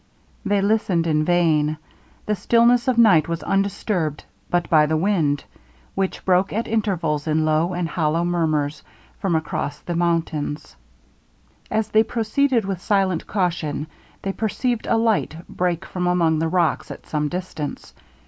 They listened in vain; the stillness of night was undisturbed but by the wind, which broke at intervals in low and hollow murmurs from among the mountains. As they proceeded with silent caution, they perceived a light break from among the rocks at some distance.